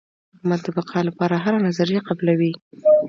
حکومت د بقا لپاره هره نظریه قبلوي.